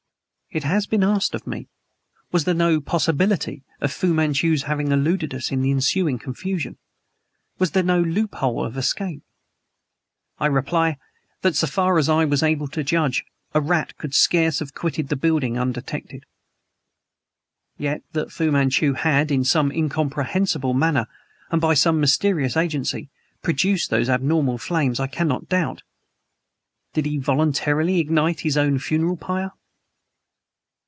It has been asked of me: Was there no possibility of Fu Manchu's having eluded us in the ensuing confusion? Was there no loophole of escape? I reply, that so far as I was able to judge, a rat could scarce have quitted the building undetected. Yet that Fu Manchu had, in some incomprehensible manner and by some mysterious agency, produced those abnormal flames, I cannot doubt. Did he voluntarily ignite his own funeral pyre?